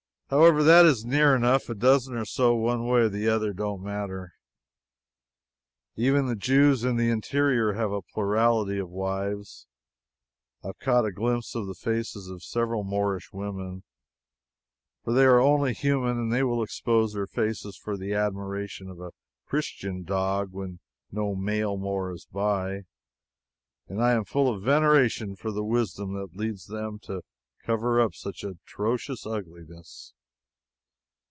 However, that is near enough a dozen or so, one way or the other, don't matter. Even the Jews in the interior have a plurality of wives. I have caught a glimpse of the faces of several Moorish women (for they are only human, and will expose their faces for the admiration of a Christian dog when no male Moor is by), and I am full of veneration for the wisdom that leads them to cover up such atrocious ugliness.